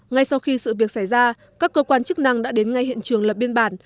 ngay sau khi sự việc xảy ra các cơ quan chức năng đã đến ngay hiện trường lập biên bản